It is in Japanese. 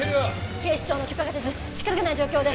警視庁の許可が出ず近づけない状況です